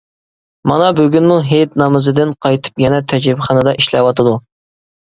مانا بۈگۈنمۇ ھېيت نامىزىدىن قايتىپ يەنە تەجرىبىخانىدا ئىشلەۋاتىدۇ.